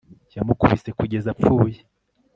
yamukubise kugeza apfuye